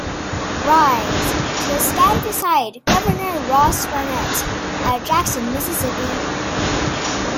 Rise...to a stand beside Governor Ross Barnett at Jackson, Mississippi!